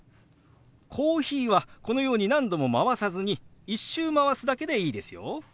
「コーヒー」はこのように何度もまわさずに１周まわすだけでいいですよ。